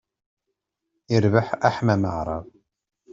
Irbeḥ aḥmam aɛṛab.